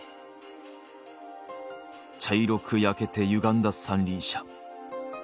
茶色く焼けてゆがんだ三輪車。